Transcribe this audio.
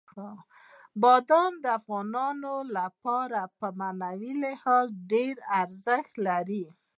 بادام د افغانانو لپاره په معنوي لحاظ ډېر ارزښت لري.